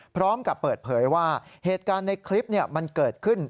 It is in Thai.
พร้อมกับเปิดเผยว่าเหตุการณ์ในคลิปมันเกิดขึ้น